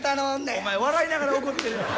お前笑いながら怒ってるやないか。